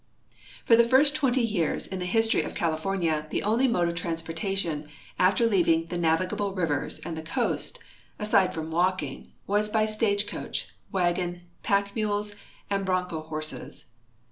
For the first twenty years in the history of California the only mode of transportation after leaving the navigable rivers and the coast, aside from walking, was by stagecoach, wagon, pack mules, and broncho horses.